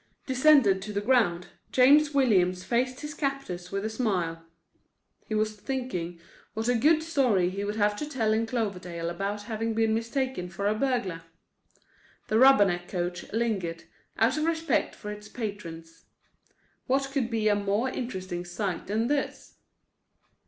Descended to the ground, James Williams faced his captors with a smile. He was thinking what a good story he would have to tell in Cloverdale about having been mistaken for a burglar. The Rubberneck coach lingered, out of respect for its patrons. What could be a more interesting sight than this?